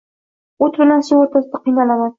O‘t bilan suv o‘rtasida qiynalaman.